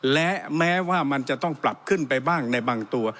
และแม้ว่ามันจะต้องปรับขึ้นไปบ้างในบางตัว